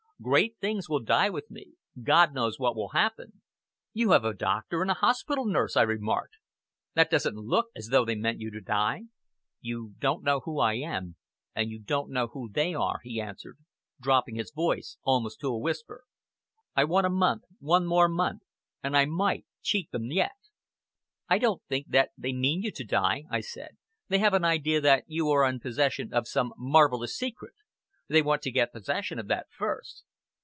Great things will die with me. God knows what will happen." "You have a doctor and a hospital nurse," I remarked. "That doesn't look as though they meant you to die!" "You don't know who I am, and you don't know who they are," he answered, dropping his voice almost to a whisper. "I want a month, one more month, and I might cheat them yet!" "I don't think that they mean you to die," I said. "They have an idea that you are in possession of some marvellous secret. They want to get possession of that first."